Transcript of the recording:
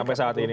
sampai saat ini